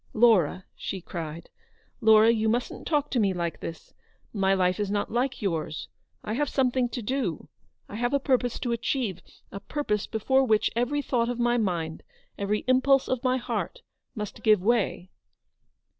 "Laura/* she cried, "Laura, you mustn't talk to me like this. My life is not like yours. I have something to do, — I have a purpose to achieve ; a purpose before which every thought of my mind, every impulse of my heart, must give way."